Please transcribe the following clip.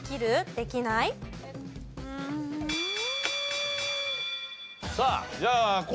できない？さあじゃあ昴